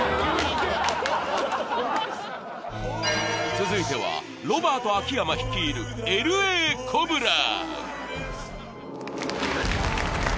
続いてはロバート秋山率いるＬ．Ａ．ＣＯＢＲＡ。